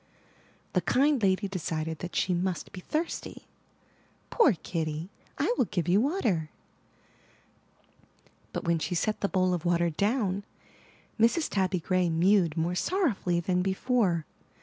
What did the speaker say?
The kind lady decided that she must be thirsty. *Toor Kitty, I will give you water/' but when she set the bowl of water down, Mrs. Tabby Gray mewed more sorrowfully than be fore.